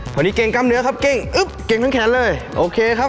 คนนี้เก่งกล้ามเนื้อครับเก้งอึ๊บเก่งทั้งแขนเลยโอเคครับ